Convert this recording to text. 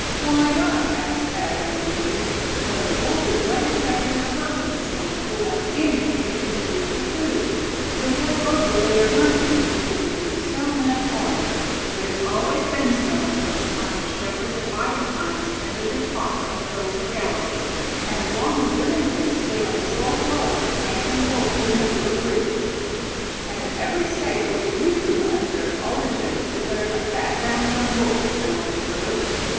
"Why not?" asked Thad, immediately; "when the wolf is no respecter of persons, and will pull down anything that can be used for food? The world over, they are hunted, because they do so much harm. It has always been so from the time the shepherds of Bible times tended their flocks on the hills of Galilee. And as long as living things stay on this old globe, man and wolf will never agree." "And in every State where they used to run, there has always been declared a fat bounty on wolves," Allan observed.